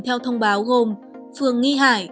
theo thông báo gồm phường nghi hải